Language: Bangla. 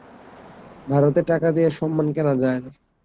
ভারতে টাকা দিয়া সম্মান কেনা যায় না।